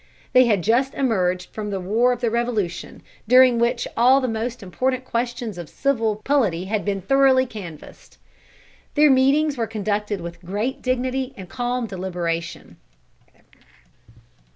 They had just emerged from the war of the Revolution, during which all the most important questions of civil polity had been thoroughly canvassed. Their meetings were conducted with great dignity and calm deliberation.